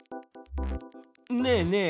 ねえねえ